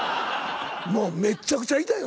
もうめっちゃくちゃ痛いよ